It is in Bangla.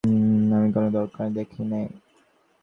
কৃষ্ণদয়াল কহিলেন, কারণ দেখাবার আমি কোনো দরকার দেখি নে।